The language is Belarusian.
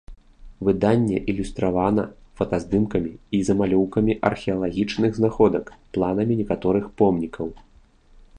Выданне ілюстравана фотаздымкамі і замалёўкамі археалагічных знаходак, планамі некаторых помнікаў.